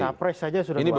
capres saja sudah dua kali